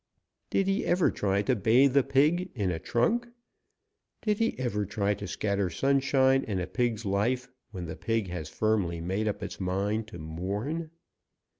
Did he ever try to bathe a pig in a trunk? Did he ever try to scatter sunshine in a pig's life when the pig has firmly made up its mind to mourn?